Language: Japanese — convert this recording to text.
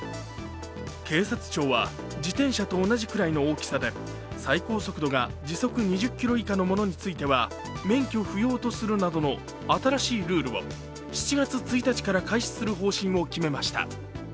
警察庁は、自転車と同じくらいの大きさで、最高速度が２０キロ以下のものについては免許不要とするなどの新しいルールを７月１日から開始する方針を決めました。